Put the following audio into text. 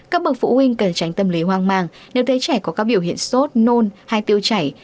các bậc phụ huynh cần tránh tâm lý hoang mang nếu thấy trẻ có các biểu hiện sốt nôn hay tiêu chảy